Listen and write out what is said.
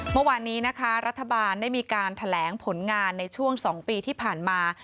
เมื่อวานนี้นะคะรัฐบาลได้มีการแถลงผลงานในช่วง๒ปีที่ผ่านมา